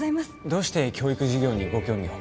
どうして教育事業にご興味を？